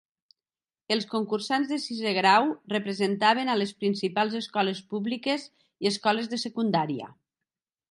Els concursants de sisè grau representaven a les principals escoles públiques i escoles de secundària.